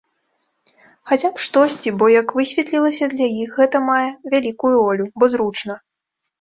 Хаця б штосьці, бо, як высветлілася, для іх гэта мае вялікую ролю, бо зручна.